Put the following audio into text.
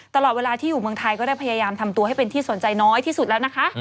ตลอดเวลาที่อยู่เมืองไทยก็ได้พยายามทำตัวให้เป็นที่สนใจน้อยที่สุดแล้วนะคะ